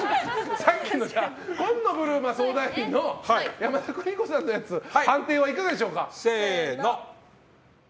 さっきの紺野ぶるま相談員の山田邦子さんのやつ判定はいかがでしょうか？